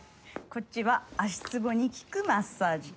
こっちは足つぼに効くマッサージ器。